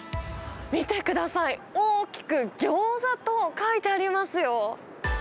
見てください、大きくギョーザと書いてありますよ。